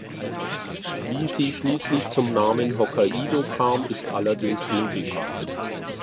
Wie sie schließlich zum Namen "Hokkaido" kam, ist allerdings unbekannt.